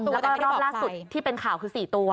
แล้วก็รอบล่าสุดที่เป็นข่าวคือ๔ตัว